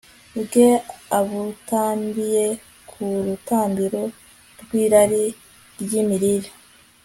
bwe abutambiye ku rutambiro rwirari ryimirire